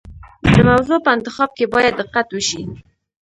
د موضوع په انتخاب کې باید دقت وشي.